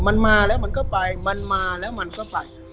มันมาแล้วมันก็ไปมันมาแล้วมันก็ไป